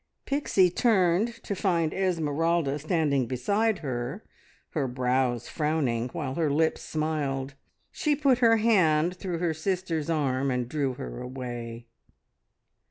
Pixie turned, to find Esmeralda standing beside her, her brows frowning, while her lips smiled. She put her hand through her sister's arm and drew her away.